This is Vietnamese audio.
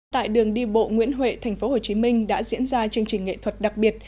tại đường đi bộ nguyễn huệ thành phố hồ chí minh đã diễn ra chương trình nghệ thuật đặc biệt